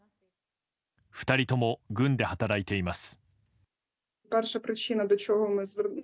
２人とも軍で働いています。